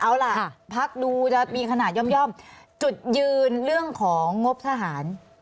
เอาล่ะพักดูจะมีขนาดย่อมจุดยืนเรื่องของงบทหาร